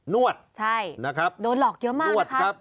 นวดใช่นะครับโดนหลอกเยอะมากนวดครับ